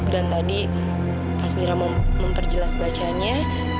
dan tadi pas mira memperjelas bacanya